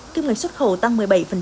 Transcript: kim ngạch xuất khẩu tăng một mươi bảy